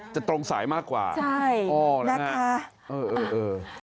จะตรงสายมากกว่านะคะเออแล้วนะครับเออ